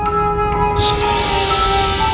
putri river melihatnya